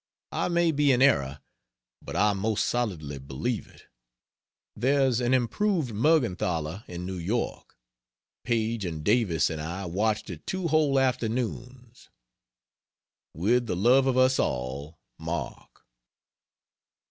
I may be in error, but I most solidly believe it. There's an improved Mergenthaler in New York; Paige and Davis and I watched it two whole afternoons. With the love of us all, MARK.